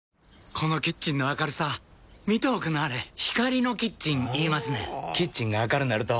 このキッチンの明るさ見ておくんなはれ光のキッチン言いますねんほぉキッチンが明るなると・・・